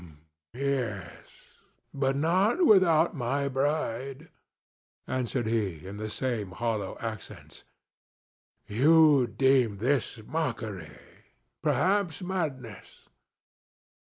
"Home—yes; but not without my bride," answered he, in the same hollow accents. "You deem this mockery—perhaps madness.